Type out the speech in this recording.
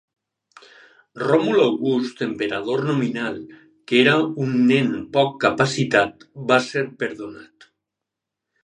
Ròmul August, emperador nominal, que era un nen poc capacitat, va ser perdonat.